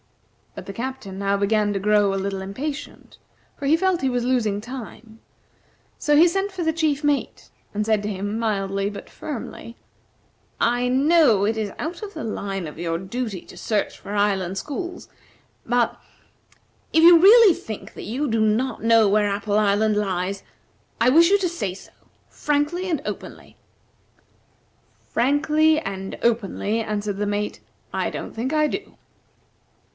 But the Captain now began to grow a little impatient, for he felt he was losing time; so he sent for the chief mate, and said to him mildly but firmly: "I know it is out of the line of your duty to search for island schools, but, if you really think that you do not know where Apple Island lies, I wish you to say so, frankly and openly." "Frankly and openly," answered the mate, "I don't think I do."